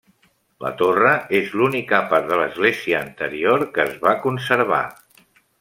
La torre és l'única part de l'església anterior que es va conservar.